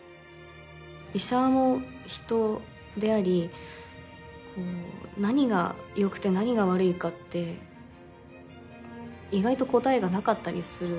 医者も人でありこう何が良くて何が悪いかって意外と答えがなかったりする。